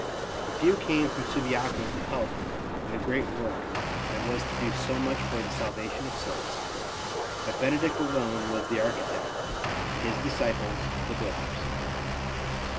A few came from Subiaco to help in the great work that was to do so much for the salvation of souls; but Benedict alone was the architect and his disciples the builders.